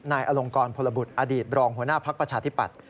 อลงกรพลบุตรอดีตรองหัวหน้าภักดิ์ประชาธิปัตย